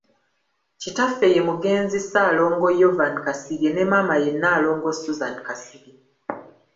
Kitaffe ye mugenzi Ssaalongo Yovan Kasirye ne maama ye Nnaalongo Suzan Kasirye.